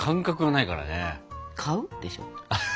「買う」でしょ？